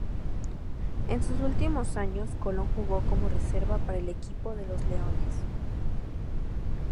En sus últimos años, Colón jugó como reserva para el equipo de los Leones.